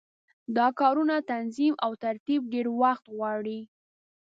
دا کارونه تنظیم او ترتیب ډېر وخت غواړي.